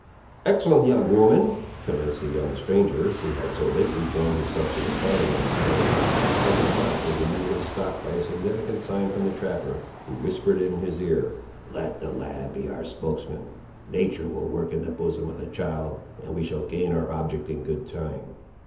"Excellent young woman," commenced the young stranger, who had so lately joined himself to the party on the prairie—but his mouth was immediately stopped by a significant sign from the trapper, who whispered in his ear— "Let the lad be our spokesman. Natur' will work in the bosom of the child, and we shall gain our object, in good time."